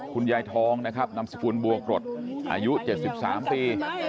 คุณยายทองนะครับนามสกุลบัวกรดอายุ๗๓ปี